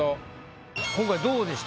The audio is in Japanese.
今回どうでした？